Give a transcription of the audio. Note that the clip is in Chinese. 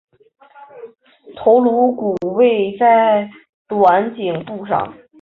头颅骨位在短颈部上。